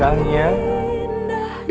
saya cermat di khania